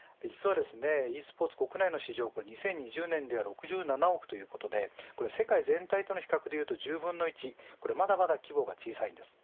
ｅスポーツ国内の市場は２０２０年では６７億ということで世界全体との比較でいうと１０分の１です。まだまだ規模が小さいです。